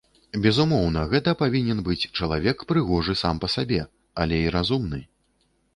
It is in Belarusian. Безумоўна, гэта павінен быць чалавек прыгожы сам па сабе, але і разумны.